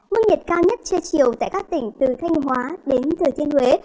mức nhiệt cao nhất trưa chiều tại các tỉnh từ thanh hóa đến thừa thiên huế